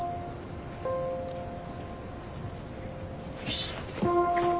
よし。